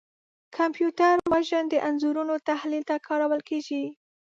کمپیوټر وژن د انځورونو تحلیل ته کارول کېږي.